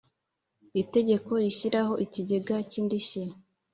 Itegeko rishyiraho ikigega cy indishyi